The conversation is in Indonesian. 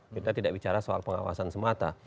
kita tidak bicara soal pengawasan semata